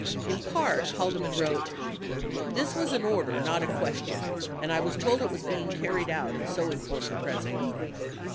In part, Haldeman wrote :this was an order, not a question, and I was told it was being carried out and so informed the P[ resident].